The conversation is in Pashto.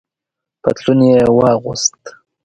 پتلون یې واغوست.